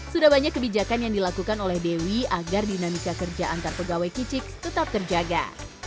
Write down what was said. sudah banyak kebijakan yang dilakukan oleh dewi agar dinamika kerja antar pegawai kicix tetap terjaga